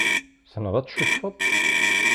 Tessneḍ ad tcucfeḍ?